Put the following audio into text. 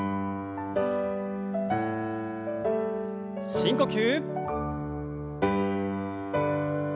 深呼吸。